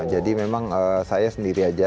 jadi memang saya sendiri aja